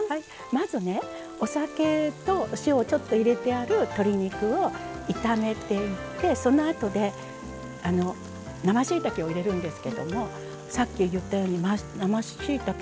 まずねお酒とお塩をちょっと入れてある鶏肉を炒めていってそのあとで生しいたけを入れるんですけどもさっき言ったように生しいたけ